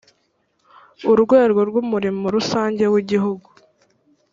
urwego rw umurimo rusange w igihugu